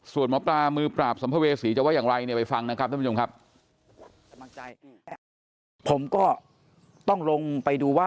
ส่วนหมอปลามือปราบสัมภเวศีจะว่าอย่างไหร่